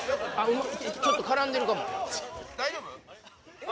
ちょっと絡んでるかも・大丈夫？